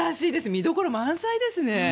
見どころ満載ですね。